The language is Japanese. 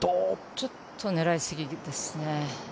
ちょっと狙いすぎですね。